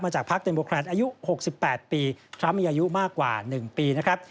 จากพักเต็มโบแครนดอายุ๖๘ปีทรัมป์มีอายุมากกว่า๑ปีนะครับ